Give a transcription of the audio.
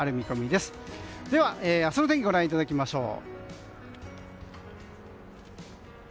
では、明日の天気ご覧いただきましょう。